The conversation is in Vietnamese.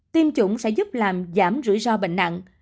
tiêm chủng sẽ giúp làm giảm rủi ro bệnh nặng